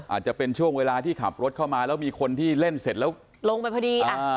อาจจะเป็นช่วงเวลาที่ขับรถเข้ามาแล้วมีคนที่เล่นเสร็จแล้วลงไปพอดี